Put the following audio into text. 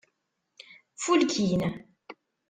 Fulkin.